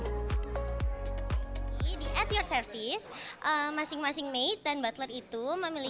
di ad your service masing masing made dan butler itu memiliki